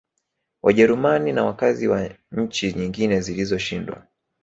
Wajerumani na wakazi wa nchi nyingine zilizoshindwa